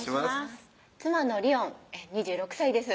妻の璃音２６歳です